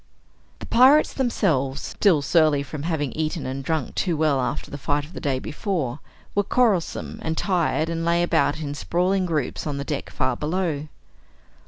The pirates themselves, still surly from having eaten and drunk too well after the fight of the day before, were quarrelsome and tired and lay about in sprawling groups on the deck far below.